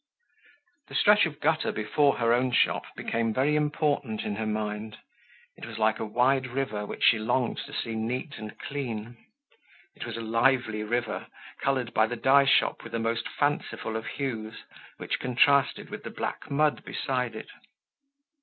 The stretch of gutter before her own shop became very important in her mind. It was like a wide river which she longed to see neat and clean. It was a lively river, colored by the dye shop with the most fanciful of hues which contrasted with the black mud beside it.